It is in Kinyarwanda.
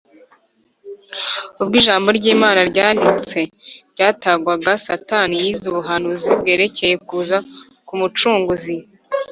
. Ubwo ijambo ry’Imana ryanditse ryatangwaga, Satani yize ubuhanuzi bwerekeye kuza k’Umucunguzi.